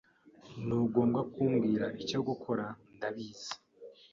Ntugomba kumbwira icyo gukora. Ndabizi.